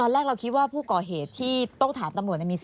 แรกเราคิดว่าผู้ก่อเหตุที่ต้องถามตำรวจ